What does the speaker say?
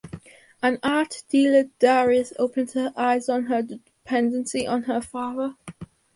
An art dealer Darius opens her eyes on her dependency on her father.